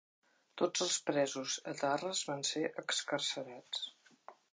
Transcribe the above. Tots els presos etarres van ser excarcerats.